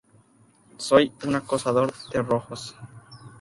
Soy un acosador de rojos.